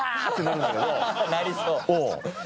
なりそう。